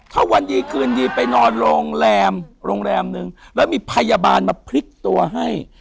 ถ้าวันดีคืนดีไปนอนโรงแรมโรงแรมนึงแล้วมีพยาบาลมาพลิกตัวให้